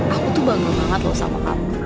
aku tuh bangga banget loh sama aku